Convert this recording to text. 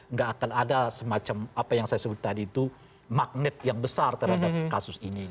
nggak akan ada semacam apa yang saya sebut tadi itu magnet yang besar terhadap kasus ini